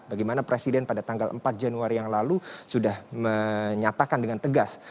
bagaimana presiden pada tanggal empat januari yang lalu sudah menyatakan dengan tegas